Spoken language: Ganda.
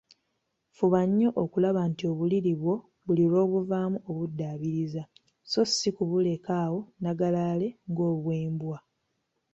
Fuba nnyo okulaba nti obuliri bwo buli lw‘obuvaamu obuddaabiriza, so si kubuleka awo nnagalaale ng‘obwembwa.